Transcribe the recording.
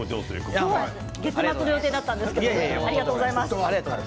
月末の予定だったんですけれどもありがとうございました。